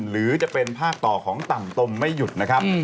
หรือจะเป็นภาคต่อของต่ำตมไม่หยุดนะครับ